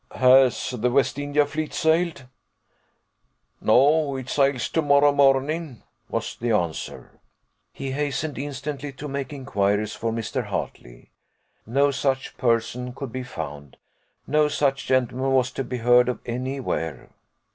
"Has the West India fleet sailed?" "No: it sails to morrow morning," was the answer. He hastened instantly to make inquiries for Mr. Hartley. No such person could be found, no such gentleman was to be heard of any where.